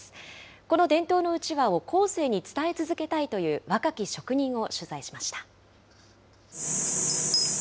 この伝統のうちわを後世に伝え続けたいという、若き職人を取材しました。